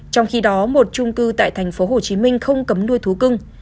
trong khi đó một trung cư tại thành phố hồ chí minh không cấm nuôi thú cưng